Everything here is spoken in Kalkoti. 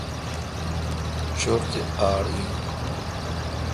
چو°ر تے آڑ این۔